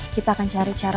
kita akan cari cara